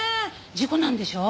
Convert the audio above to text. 事故なんでしょ？